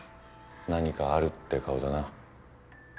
何かあるって顔だな。